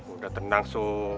udah tenang su